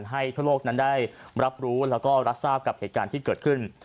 ทั่วโลกนั้นได้รับรู้แล้วก็รับทราบกับเหตุการณ์ที่เกิดขึ้น